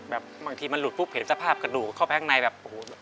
บางทีมันหลุดปุ๊บเห็นสภาพกระดูกเข้าไปข้างในแบบโอ้โห